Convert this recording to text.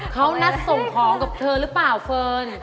เขานัดส่งของกับเธอหรือเปล่าเฟิร์น